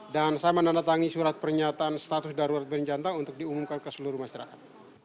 dan saya mendatangi surat pernyataan status darurat bencana untuk diumumkan ke seluruh masyarakat